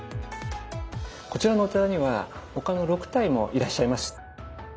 こちらのお寺には他の６体もいらっしゃいます。